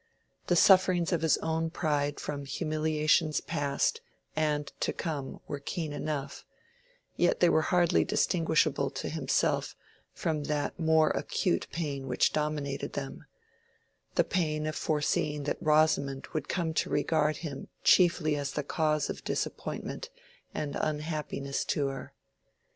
The sufferings of his own pride from humiliations past and to come were keen enough, yet they were hardly distinguishable to himself from that more acute pain which dominated them—the pain of foreseeing that Rosamond would come to regard him chiefly as the cause of disappointment and unhappiness to her.